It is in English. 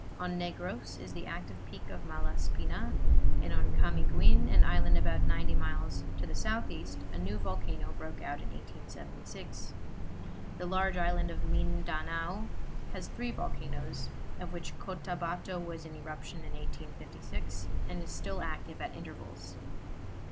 On Negros is the active peak of Malaspina, and on Camiguin, an island about ninety miles to the southeast, a new volcano broke out in 1876. The large island of Mindanao has three volcanoes, of which Cottabato was in eruption in 1856 and is still active at intervals.